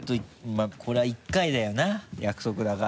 まぁこれは１回だよな約束だから。